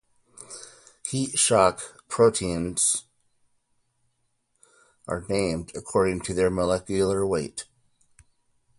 Heat-shock proteins are named according to their molecular weight.